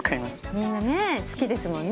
みんな好きですもんね。